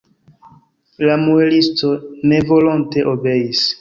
La muelisto nevolonte obeis.